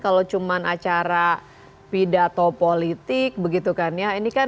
kalau cuma acara pidato politik begitukannya ini kan